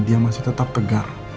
dia masih tetap tegar